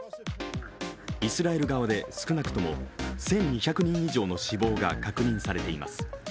イスラエル側で少なくとも１２００人以上の死亡が確認されています。